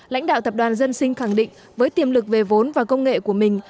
lãnh đạo tập đoàn dân sinh khẳng định với tiềm lực về vốn và công nghệ của mình